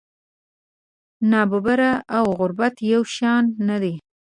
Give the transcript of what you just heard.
نابرابري او غربت یو شان نه دي.